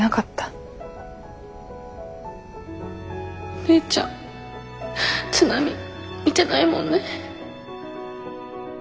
お姉ちゃん津波見てないもんね。